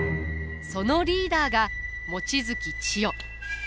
そのリーダーが望月千代。